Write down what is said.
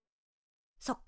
そっか。